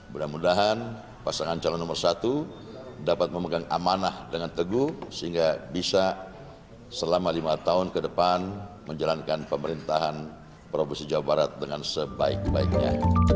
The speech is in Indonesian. mudah mudahan pasangan calon nomor satu dapat memegang amanah dengan teguh sehingga bisa selama lima tahun ke depan menjalankan pemerintahan provinsi jawa barat dengan sebaik baiknya